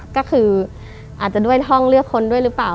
ก็คืออาจจะด้วยห้องเลือกคนด้วยหรือเปล่า